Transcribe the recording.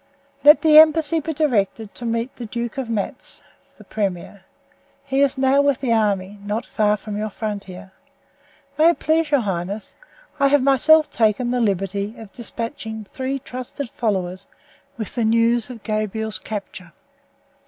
Let the embassy be directed to meet the Duke of Matz, the premier. He is now with the army, not far from your frontier. May it please your highness, I have myself taken the liberty of despatching three trusted followers with the news of Gabriel's capture.